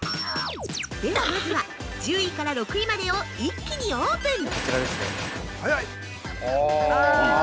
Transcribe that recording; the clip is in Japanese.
では、まずは１０位から６位までを一気にオープン。